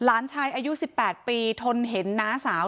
หลานชายอายุ๑๘ปีทนเห็นน้าสาว